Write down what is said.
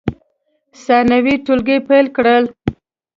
ثانوي ټولګي پیل کړل.